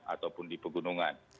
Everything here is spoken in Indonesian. ataupun di pegunungan